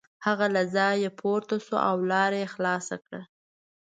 هغه له ځایه پورته شو او لار یې خلاصه کړه.